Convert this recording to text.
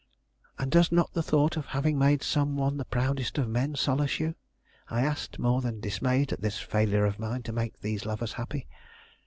"And does not the thought of having made some one the proudest of men solace you?" I asked, more than dismayed at this failure of mine to make these lovers happy.